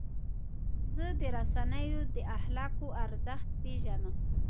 زه د رسنیو د اخلاقو ارزښت پیژنم.